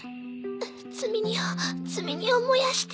積み荷を積み荷を燃やして。